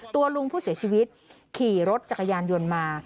ตัวลุงผู้เสียชีวิตขี่รถจักรยานยนต์มา